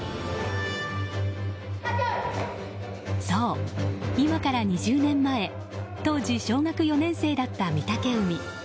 そう、今から２０年前当時小学４年生だった御嶽海。